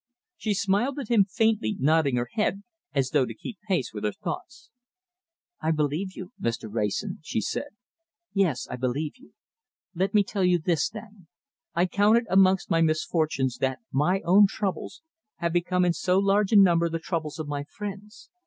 She smiled at him faintly, nodding her head as though to keep pace with her thoughts. "I believe you, Mr. Wrayson," she said. "Yes, I believe you! Let me tell you this, then. I count it amongst my misfortunes that my own troubles have become in so large a manner the troubles of my friends.